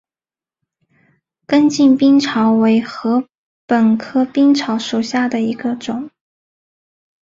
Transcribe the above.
根茎冰草为禾本科冰草属下的一个种。